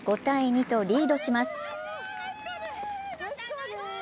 ５−２とリードします。